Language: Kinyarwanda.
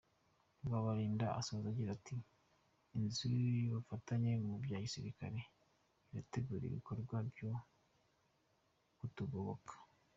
Rwabalinda agasoza agira ati : “Inziu y’ubufatanye mu bya gisirikare irategura ibikorwa byo kutugoboka”.